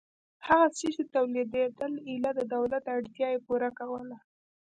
هغه څه چې تولیدېدل ایله د دولت اړتیا یې پوره کوله.